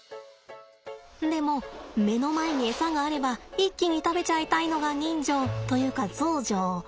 でも目の前にエサがあれば一気に食べちゃいたいのが人情というかゾウ情。